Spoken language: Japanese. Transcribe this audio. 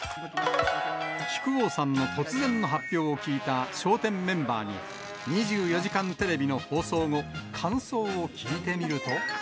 木久扇さんの突然の発表を聞いた笑点メンバーに、２４時間テレビの放送後、感想を聞いてみると。